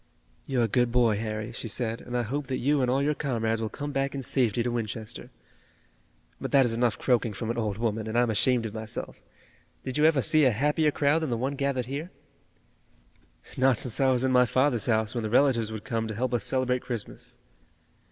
"You're a good boy, Harry," she said, "and I hope that you and all your comrades will come back in safety to Winchester. But that is enough croaking from an old woman and I'm ashamed of myself. Did you ever see a happier crowd than the one gathered here?" "Not since I was in my father's house when the relatives would come to help us celebrate Christmas."